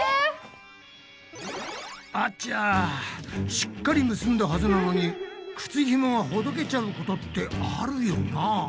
しっかり結んだはずなのに靴ひもがほどけちゃうことってあるよな。